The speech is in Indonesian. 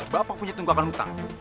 bapak punya tunggakan hutang